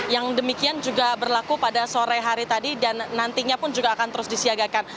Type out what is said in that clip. yang demikian juga berlaku pada sore hari tadi dan nantinya pun juga akan terus disiagakan